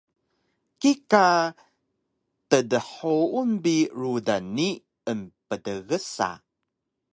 kika tdhuun bi rudan ni emptgsa